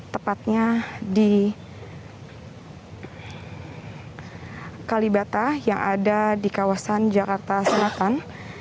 tepatnya di kalibata yang ada di kawasan jakarta selatan